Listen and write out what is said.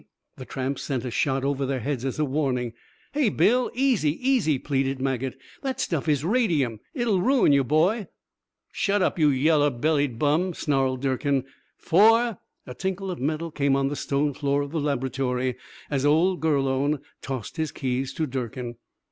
The tramp sent a shot over their heads as a warning. "Hey, Bill, easy, easy," pleaded Maget. "That stuff is radium. It'll ruin you, boy!" "Shut up, you yeller bellied bum," snarled Durkin. "Four...." A tinkle of metal came on the stone floor of the laboratory, as old Gurlone tossed his keys to Durkin.